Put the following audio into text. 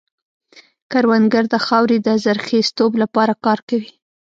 کروندګر د خاورې د زرخېزتوب لپاره کار کوي